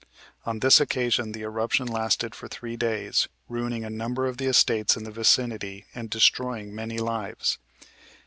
On this occasion the eruption lasted for three days, ruining a number of the estates in the vicinity and destroying many lives.